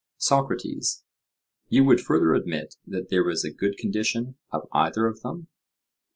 SOCRATES: You would further admit that there is a good condition of either of them?